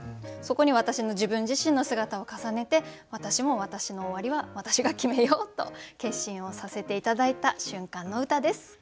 そこに私の自分自身の姿を重ねて私も私の終わりは私が決めようと決心をさせて頂いた瞬間の歌です。